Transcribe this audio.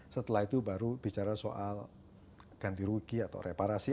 setelah itu baru bicara soal ganti rugi atau reparasi